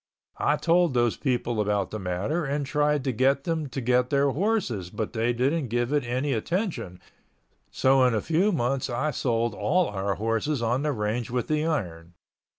I told those people about the matter and tried to get them to get their horses but they didn't give it any attention so in a few months I sold all our horses on the range with the iron.